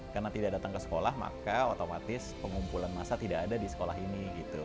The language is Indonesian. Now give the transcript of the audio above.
karena tidak datang ke sekolah maka otomatis pengumpulan masa tidak ada di sekolah ini